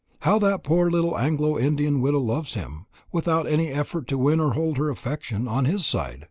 "How that poor little Anglo Indian widow loves him, without any effort to win or hold her affection on his side!"